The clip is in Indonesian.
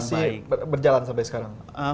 masih berjalan sampai sekarang